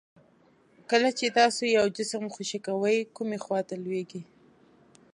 کله چې تاسو یو جسم خوشې کوئ کومې خواته لویږي؟